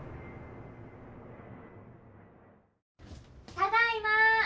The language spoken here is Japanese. ・ただいま！